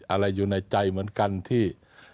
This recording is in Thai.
อะไรอยู่ในใจเหมือนกันที่